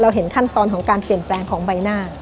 เห็นขั้นตอนของการเปลี่ยนแปลงของใบหน้า